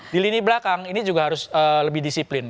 di lini belakang ini juga harus lebih disiplin